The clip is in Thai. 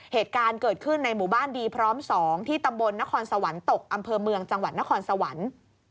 เหตุการณ์เกิดขึ้นในหมู่บ้านดีพร้อม๒ที่ตำบลนครสวรรค์ตกอำเภอเมืองจังหวัดนครสวรรค์